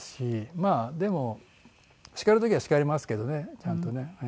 まあでも叱る時は叱りますけどねちゃんとね。